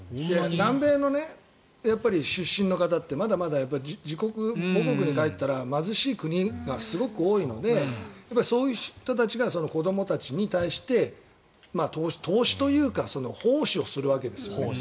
南米の出身の方ってまだまだ母国に帰ったら貧しい国がすごく多いのでそういう人たちが子どもたちに対して投資というか奉仕をするわけですよ。